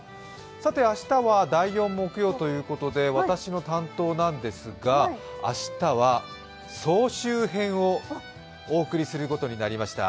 明日は第４木曜ということで、私の担当なんですが、明日は総集編をお送りすることになりました。